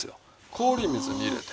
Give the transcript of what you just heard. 氷水に入れて。